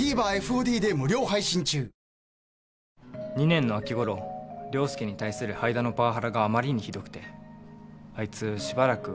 ２年の秋ごろ椋介に対する灰田のパワハラがあまりにひどくてあいつしばらく落ち込んでて。